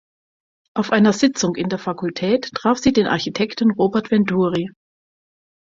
Auf einer Sitzung in der Fakultät traf sie den Architekten Robert Venturi.